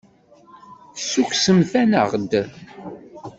Tessukksemt-aneɣ-d.